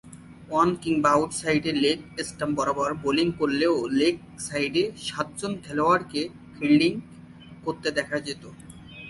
On কিংবা out সাইডে leg stump বরাবর বোলিং করলেও লেগ সাইডে সাতজন খেলোয়াড়কে ফিল্ডিং করতে দেখা যেতো।